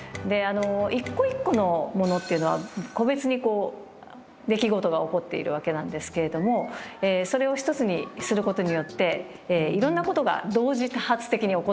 一個一個のものっていうのは個別にこう出来事が起こっているわけなんですけれどもそれを一つにすることによっていろんなことが同時多発的に起こっている。